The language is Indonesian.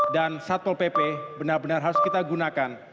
dan satpol pp benar benar harus kita gunakan